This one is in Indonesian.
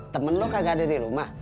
temen lo kagak ada di rumah